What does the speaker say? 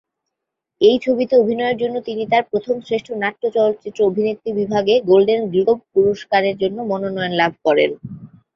এই ছবিতে অভিনয়ের জন্য তিনি তার প্রথম শ্রেষ্ঠ নাট্য চলচ্চিত্র অভিনেত্রী বিভাগে গোল্ডেন গ্লোব পুরস্কারের মনোনয়ন লাভ করেন।